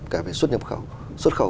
cả về xuất nhập khẩu xuất khẩu